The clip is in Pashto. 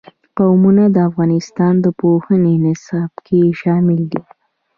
قومونه د افغانستان د پوهنې نصاب کې شامل دي.